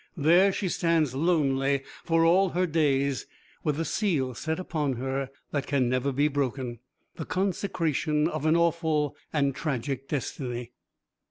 There she stands lonely for all her days, with the seal set upon her that can never be broken, the consecration of an awful and tragic destiny.